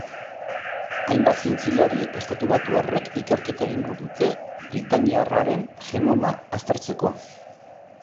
Hainbat zientzialari estatubatuarrek ikerketa egingo dute britainiarraren genoma aztertzeko.